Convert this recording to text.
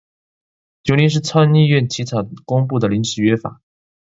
由臨時參議院起草公布的臨時約法